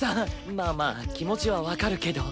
まあまあ気持ちは分かるけど。